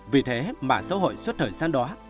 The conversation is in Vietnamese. vì thế mạng xã hội suốt thời gian đó